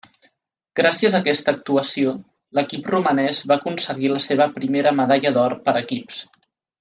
Gràcies a aquesta actuació, l'equip romanès va aconseguir la seva primera medalla d'or per equips.